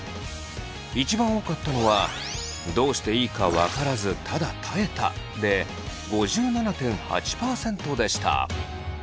一番多かったのは「どうしていいか分からずただ耐えた」で５７．８％でした。